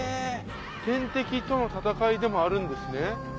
天敵との戦いでもあるんですね。